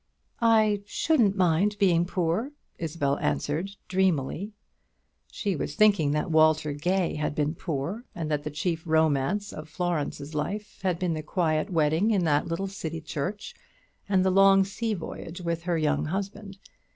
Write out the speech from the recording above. "I shouldn't mind being poor," Isabel answered, dreamily. She was thinking that Walter Gay had been poor, and that the chief romance of Florence's life had been the quiet wedding in the little City church, and the long sea voyage with her young husband.